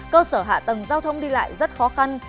cơ sở hạ tầng giao thông đi lại rất khó khăn